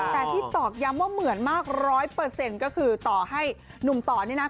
แต่ที่ตอกย้ำว่าเหมือนมาก๑๐๐ก็คือต่อให้หนุ่มต่อนี่นะ